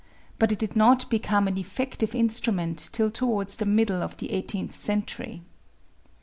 But it did not be come an effective instrument till towards the middle of the eighteenth century.